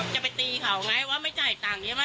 จะไปตีเขาไงว่าไม่จ่ายตังค์เงี้ยมั้ย